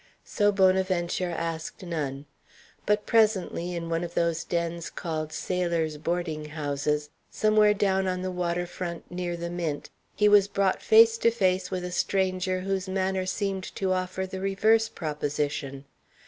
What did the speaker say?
So Bonaventure asked none. But presently, in one of those dens called sailors' boarding houses, somewhere down on the water front near the Mint, he was brought face to face with a stranger whose manner seemed to offer the reverse proposition.